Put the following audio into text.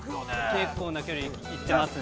◆結構な距離行ってます。